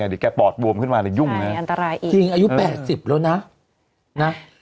แม้วิวเก็บป้อดบวมขึ้นมาแล้วยุ่งอายุ๘๐แล้วนะ